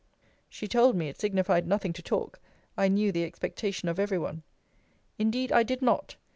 She told me, It signified nothing to talk: I knew the expectation of every one. Indeed I did not.